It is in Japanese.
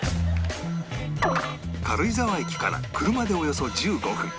軽井沢駅から車でおよそ１５分